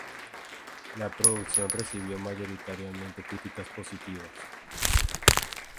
La producción recibió mayoritariamente críticas positivas.